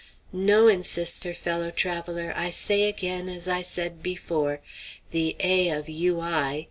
"No," insists her fellow traveller; "I say again, as I said before, the 'A. of U. I.'"